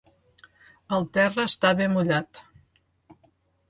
El terra estava mullat.